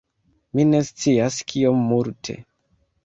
Mi ne scias kiom multe